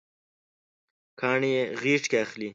کاڼي یې غیږکې اخلي